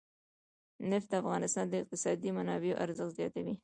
نفت د افغانستان د اقتصادي منابعو ارزښت زیاتوي.